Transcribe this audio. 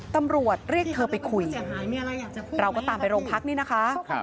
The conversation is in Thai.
ตำรวจเรียกเธอไปคุยเราก็ตามไปโรงพักนี่นะคะ